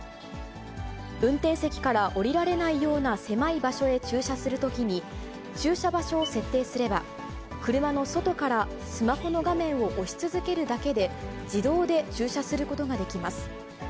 運転席から降りられないような狭い場所へ駐車するときに、駐車場所を設定すれば、車の外からスマホの画面を押し続けるだけで、自動で駐車することができます。